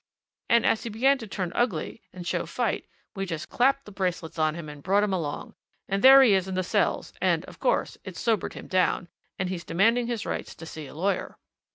And as he began to turn ugly, and show fight, we just clapped the bracelets on him and brought him along, and there he is in the cells and, of course, it's sobered him down, and he's demanding his rights to see a lawyer."